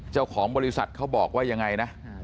เจ้าของบริษัทเขาบอกว่ายังไงนะ